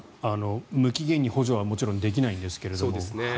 無期限に補助はもちろんできないですけども。